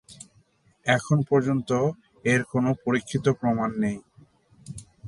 এখন পর্যন্ত এর কোন পরীক্ষিত প্রমাণ নেই।